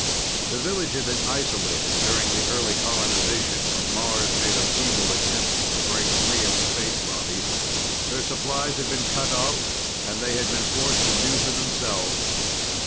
The village had been isolated during the early colonization when Mars made a feeble attempt to break free of Space Lobby. Their supplies had been cut off and they had been forced to do for themselves.